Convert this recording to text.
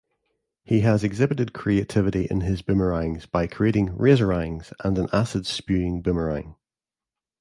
He has exhibited creativity in his boomerangs by creating "razorangs" and an acid-spewing boomerang.